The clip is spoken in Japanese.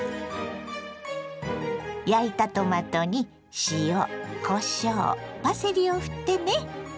焼いたトマトに塩こしょうパセリをふってね。